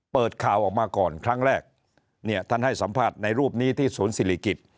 เปิดข่าวออกมาก่อนครั้งแรกเนี่ยท่านให้สัมภาษณ์ในรูปนี้ที่ศูนย์ศิริกิจ